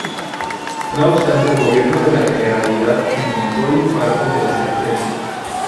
No obstante el gobierno de la Generalidad minimizó el impacto de la sentencia.